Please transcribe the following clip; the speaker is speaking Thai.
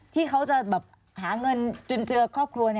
ที่เขาจะหาเงินจนเจอครอบครัวนี่